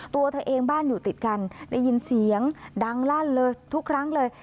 ตัวเธอเองบ้านอยู่ติดกันได้ยินเสียงดังลั่นเลยทุกครั้งเลย